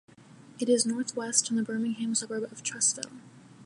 It is northwest from the Birmingham suburb of Trussville.